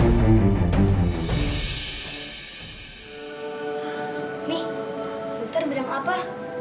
nih dokter bilang apa